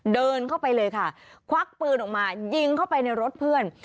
เดินเข้าไปเลยค่ะควักปืนออกมายิงเข้าไปในรถเพื่อน